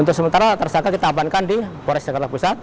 untuk sementara tersangka kita amankan di polres jakarta pusat